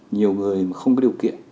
nhiều người mà không có điều kiện